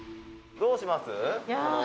「どうします？」